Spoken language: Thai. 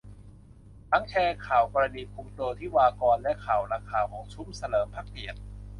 หลังแชร์ข่าวกรณีคุมตัวทิวากร และข่าวราคาของซุ้มเฉลิมพระเกียรติ